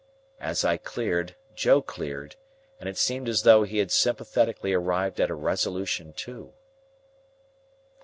As I cleared, Joe cleared, and it seemed as though he had sympathetically arrived at a resolution too.